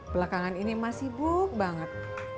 belakangan ini emak sibuk banget